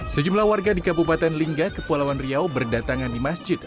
sejumlah warga di kabupaten lingga kepulauan riau berdatangan di masjid